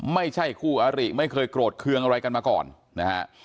ไม่ใช่คู่อาริไม่เคยโกรธเคืองอะไรกันมาก่อนนะฮะ